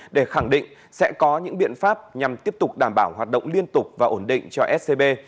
để khẳng định sẽ có những biện pháp nhằm tiếp tục đảm bảo hoạt động liên tục và ổn định cho scb